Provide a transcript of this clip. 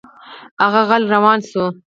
هغه غلی روان شو.